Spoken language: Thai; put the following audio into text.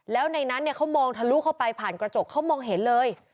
แล้วในนั้นเขามองทะลุเข้าไปผ่านกระจกเขามองเห็นเลย